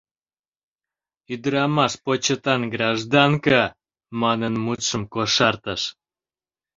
— Ӱдырамаш — почетан гражданка! — манын мутшым кошартыш.